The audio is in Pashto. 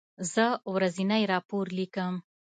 زه ورځنی راپور لیکم.